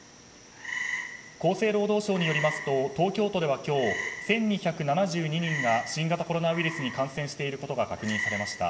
厚生労働省によりますと東京都では今日、１２７２人が新型コロナウイルスに感染していることが確認されました。